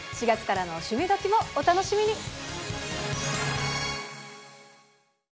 ４月からの「趣味どきっ！」もお楽しみに。